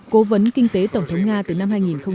cố vấn kinh tế tổng thống nga từ năm hai nghìn một mươi